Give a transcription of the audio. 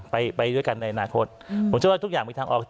ไปไปด้วยกันในอนาคตผมเชื่อว่าทุกอย่างมีทางออก